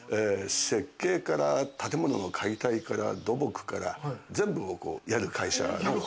設計から建物の解体から土木から全部をやる会社。